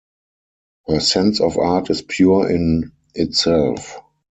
Her sense of Art is pure in itself.